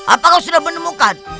apa kau sudah menemukan